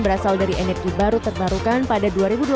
berasal dari energi baru terbarukan pada dua ribu dua puluh